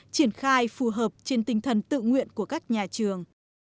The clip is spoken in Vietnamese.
triển khai phù hợp trên tinh thần tự nguyện của các nhà trường